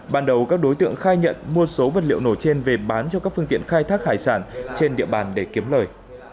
ban đầu các đối tượng khai nhận mua số vật liệu nổ trên về bán cho các phương tiện khai thác hải sản trên địa bàn để kiếm lời